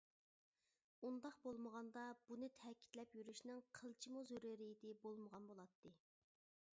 ئۇنداق بولمىغاندا بۇنى تەكىتلەپ يۈرۈشنىڭ قىلچىمۇ زۆرۈرىيىتى بولمىغان بولاتتى.